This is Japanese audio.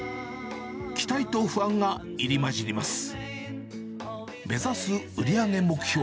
期待と不安が入り混じります。